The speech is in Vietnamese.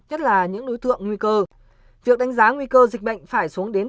nhất là những đối tượng nguy cơ việc đánh giá nguy cơ dịch bệnh phải xuống đến